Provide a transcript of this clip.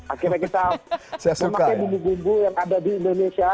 akhirnya kita memakai bumbu bumbu yang ada di indonesia